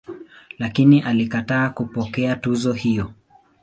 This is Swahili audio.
Lakini alikataa kupokea tuzo hiyo.